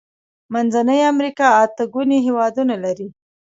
منځنۍ امريکا اته ګونې هيوادونه لري.